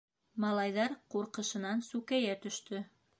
Малайҙар ҡурҡышынан сүкәйә төштө.